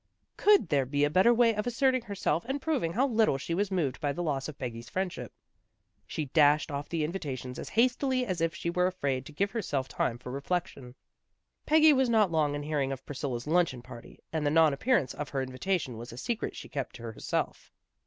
Could there be a better way of asserting herself and proving how little she was moved by the loss of Peggy's friendship. She dashed off the invitations as hastily as if she were afraid to give herself time for reflec tion. Peggy was not long in hearing of Priscilla's luncheon party, and the non appearance of her invitation was a secret she kept to herself.